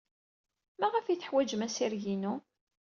Maɣef ay teḥwajem assireg-inu?